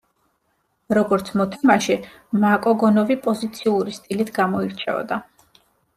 როგორც მოთამაშე, მაკოგონოვი პოზიციური სტილით გამოირჩეოდა.